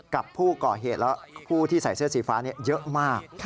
กับผู้ก่อเหตุและผู้ที่ใส่เสื้อสีฟ้าเยอะมาก